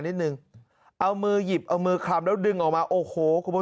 นิดนึงเอามือหยิบเอามือคลำแล้วดึงออกมาโอ้โหคุณผู้ชม